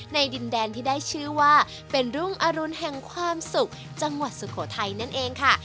ดินแดนที่ได้ชื่อว่าเป็นรุ่งอรุณแห่งความสุขจังหวัดสุโขทัยนั่นเองค่ะ